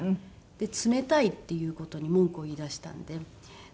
で冷たいっていう事に文句を言い出したんでそうかと思って。